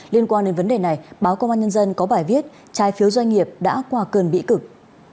liên quan đến vấn đề này báo công an nhân dân có bài viết trái phiếu doanh nghiệp đã qua cơn bị cực